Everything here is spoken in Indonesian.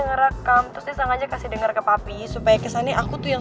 ngerekam terus dia sengaja kasih denger ke papi supaya kesannya aku tuh yang